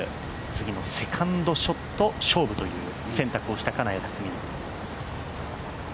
次のセカンドショット勝負という選択をした金谷拓実。